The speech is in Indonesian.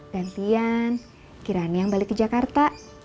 gantian kirani yang balik ke jakarta